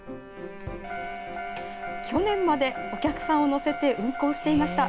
去年までお客さんを乗せて運行していました。